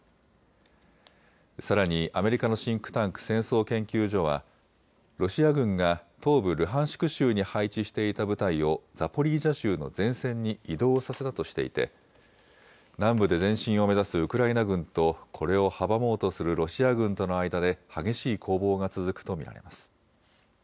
さらにアメリカのシンクタンク、戦争研究所はロシア軍が東部ルハンシク州に配置していた部隊をザポリージャ州の前線に移動させたとしていて南部で前進を目指すウクライナ軍とこれを阻もうとするロシア軍との間で激しい攻防が続くと見られます。